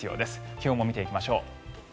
気温も見ていきましょう。